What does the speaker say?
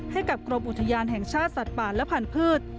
ให้กับกรมอุทยานแห่งชาติสัตว์ป่าและพันธุ์